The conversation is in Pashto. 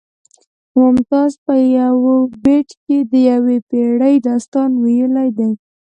ممتاز په یو بیت کې د یوې پیړۍ داستان ویلی دی